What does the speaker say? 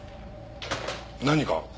何か？